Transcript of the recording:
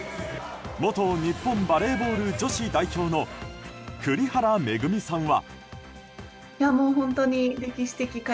元日本バレーボール女子代表の栗原恵さんは。